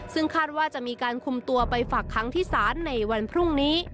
ซึ่งคาดว่าจะมีการคุมตัวไปฝากค้างที่ศาลในวันพรุ่งนี้